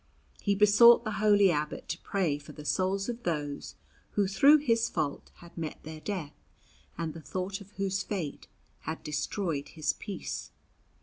He besought the holy abbot to pray for the souls of those who through his fault had met their death, and the thought of whose fate had destroyed his peace.